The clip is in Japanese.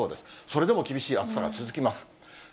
それでも厳しい暑さが続きます。